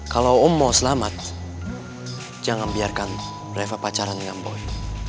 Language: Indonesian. kalau om mau selamat jangan biarkan reva pacaran nyambui